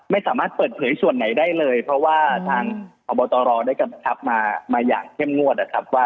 ไม่สามารถเปิดเผยส่วนไหนได้เลยเพราะว่าทางพบตรรได้กระทับมาอย่างเข้มงวด